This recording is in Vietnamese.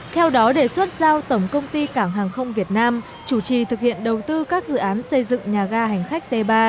theo đó đề xuất giao tổng công ty cảng hàng không việt nam chủ trì thực hiện đầu tư các dự án xây dựng nhà ga hành khách t ba